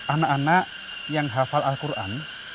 anak anak yang hafal al quran